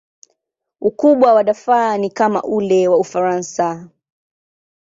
Ukubwa wa Darfur ni kama ule wa Ufaransa.